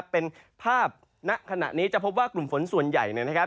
เป็นภาพณขณะนี้จะพบว่ากลุ่มฝนส่วนใหญ่นะครับ